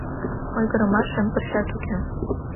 — Ойгырымашем пырчат уке...